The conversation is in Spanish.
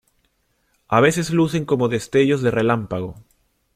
A veces lucen como destellos de relámpago.